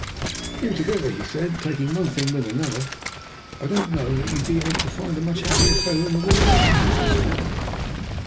"Altogether," he said, "taking one thing with another, I don't know that you'd be able to find a much happier fellow in the world than I am at this moment."